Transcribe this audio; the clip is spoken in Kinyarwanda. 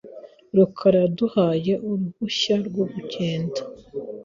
rukara yaduhaye uruhushya rwo kugenda .